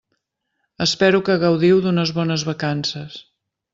Espero que gaudiu d'unes bones vacances.